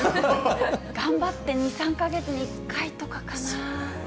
頑張って２、３か月に１回とかかな。